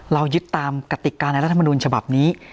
เรายึดตามกติกาในรัฐมนุนฉบับนี้